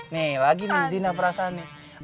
nih lagi nih zina prasani